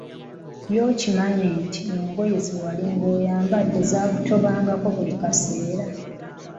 Ye okimanyi nti, engoye zewalinga oyambadde zaakutobangako buli kaseera!